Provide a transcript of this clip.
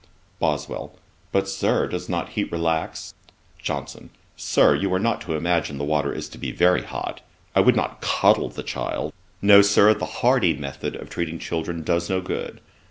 BOSWELL. 'But, Sir, does not heat relax?' JOHNSON. 'Sir, you are not to imagine the water is to be very hot. I would not coddle the child. No, Sir, the hardy method of treating children does no good.